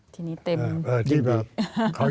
ที่นี่เต็มยิ่งดีนะครับจริง